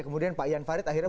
kemudian pak jan farid akhirnya